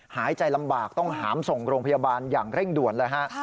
หายใจลำบากต้องหามส่งโรงพยาบาลอย่างเร่งด่วนเลยฮะ